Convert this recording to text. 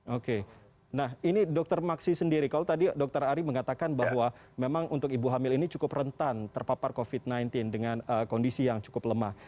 oke nah ini dokter maksi sendiri kalau tadi dokter ari mengatakan bahwa memang untuk ibu hamil ini cukup rentan terpapar covid sembilan belas dengan kondisi yang cukup lemah